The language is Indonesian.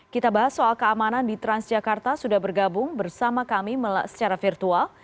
kita bahas soal keamanan di transjakarta sudah bergabung bersama kami secara virtual